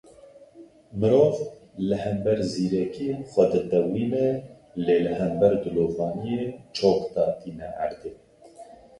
Mirov li hember zîrekiyê xwe ditewîne lê li hember dilovaniyê çok datîne erdê.